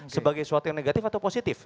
sebagai suatu yang negatif atau positif